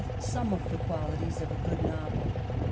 some of the qualities of a good novel.